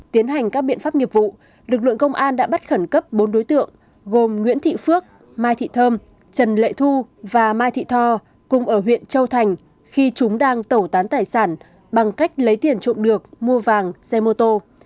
tiến hành các biện pháp nghiệp vụ lực lượng công an đã bắt khẩn cấp bốn đối tượng gồm nguyễn thị phước mai thị thơm trần lệ thu và mai thị tho cùng ở huyện châu thành khi chúng đang tẩu tán tài sản bằng cách lấy tiền trộm được mua vàng xe mô tô